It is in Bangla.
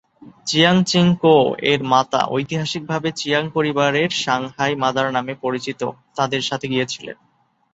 চিয়াং চিং-কোও এর মাতা, ঐতিহাসিকভাবে চিয়াং পরিবারের "সাংহাই মাদার" নামে পরিচিত, তাদের সাথে গিয়েছিলেন।